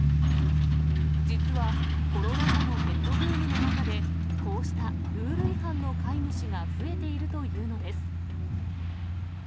実は、コロナ禍のペットブームの中で、こうしたルール違反の飼い主が増えているというのです。